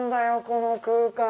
この空間。